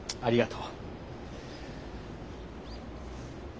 ありがとう。